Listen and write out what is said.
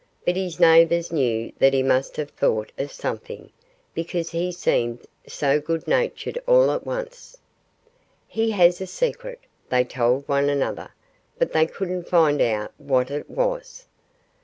But his neighbors knew that he must have thought of something, because he seemed so good natured all at once. "He has a secret," they told one another. But they couldn't find out what it was.